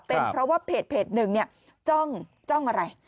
เป็นเพราะว่าเพจหนึ่งเนี่ยจ้องอะไร